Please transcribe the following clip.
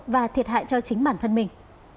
và thiệt hại cho chính bản thân mình